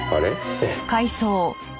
ええ。